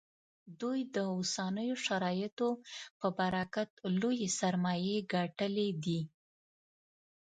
دوی د اوسنیو شرایطو په برکت لویې سرمایې ګټلې دي